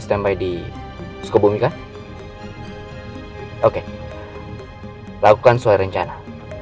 standby di sukabumi kan oke lakukan sesuai rencana